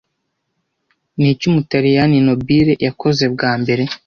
Ni iki umutaliyani Nobile yakoze bwa mbere